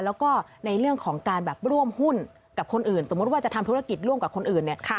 แล้วก็ในเรื่องของการแบบร่วมหุ้นกับคนอื่นสมมุติว่าจะทำธุรกิจร่วมกับคนอื่นเนี่ย